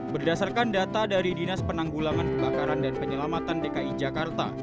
berdasarkan data dari dinas penanggulangan kebakaran dan penyelamatan dki jakarta